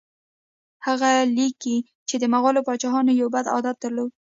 هغه لیکي چې د مغولو پاچاهانو یو بد عادت درلود.